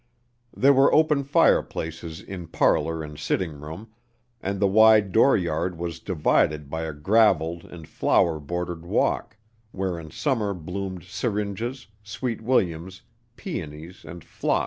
There were open fireplaces in parlor and sitting room, and the wide dooryard was divided by a graveled and flower bordered walk, where in summer bloomed syringas, sweet williams, peonies and phlox.